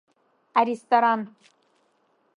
Аресторан…